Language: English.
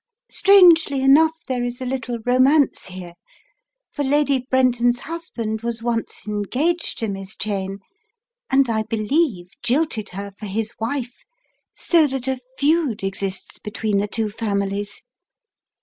Strangely enough, there is a little romance here, for Lady Brenton's husband was once engaged to Miss Cheyne, and I believe jilted her for his wife, so that a feud exists between the two families.